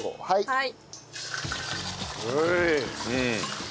はい。